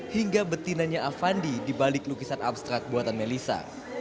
hingga betinanya avandi dibalik lukisan abstrak buatan melisa